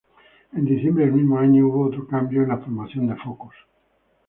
En diciembre del mismo año hubo otro cambio en la formación de Focus.